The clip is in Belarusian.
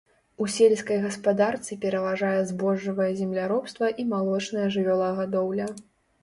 У сельскай гаспадарцы пераважае збожжавае земляробства і малочная жывёлагадоўля.